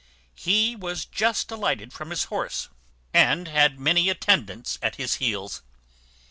He was just alighted from his horse, and had many attendants at his heels.